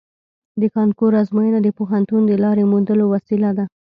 د کانکور ازموینه د پوهنتون د لارې موندلو وسیله ده